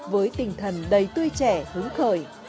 với tình thần đầy tươi trẻ hứng khởi